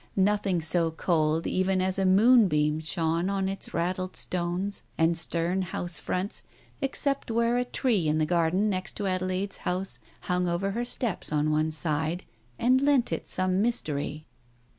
Nothing so cold even as a moonbeam shone on its raddled stones and stern house fronts, except where a tree in the garden next to Adelaide's house hung over her steps on one side and lent it some mystery.